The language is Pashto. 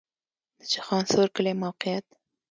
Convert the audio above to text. د چخانسور کلی موقعیت